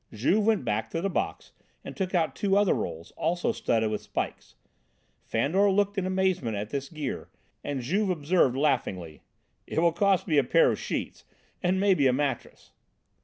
Juve went back to the box and took out two other rolls, also studded with spikes. Fandor looked in amazement at this gear and Juve observed laughingly: "It will cost me a pair of sheets and maybe a mattress."